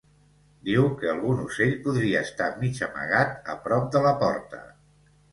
Diu que algun ocell podria estar mig amagat a prop de la porta.